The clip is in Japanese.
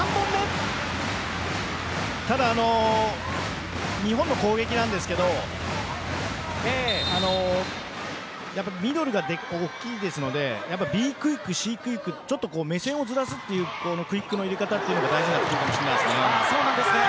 ただ日本の攻撃なんですがミドルが大きいですのでＢクイック、Ｃクイック目線をずらすクイックの入れ方が大事になってくるかもしれませんね。